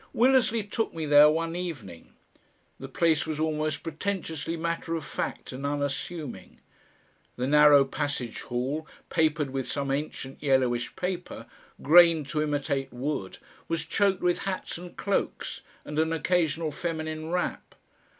Willersley took me there one evening. The place was almost pretentiously matter of fact and unassuming. The narrow passage hall, papered with some ancient yellowish paper, grained to imitate wood, was choked with hats and cloaks and an occasional feminine wrap.